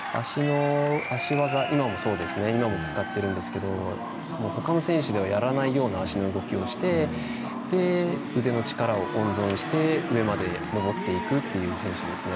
足技、今も使っているんですけど他の選手ではやらないような足の動きをして腕の力を温存して上まで登っていくっていう選手ですね。